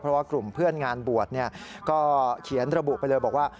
เพราะว่ากลุ่มเพื่อนงานบวชก็เขียนระบุไปเลยบอกว่า